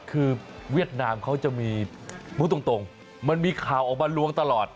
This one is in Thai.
คือเวียดนามเขาจะมีพูดตรงมันมีข่าวออกมาล้วงตลอด